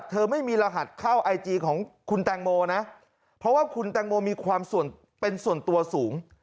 เธอไม่มีรหัสเข้าไอจีของคุณแตงโมนะเพราะว่าคุณแตงโมมีความเป็นส่วนตัวสูง